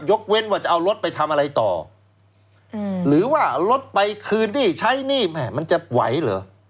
เว้นว่าจะเอารถไปทำอะไรต่อหรือว่ารถไปคืนที่ใช้หนี้แม่มันจะไหวเหรอ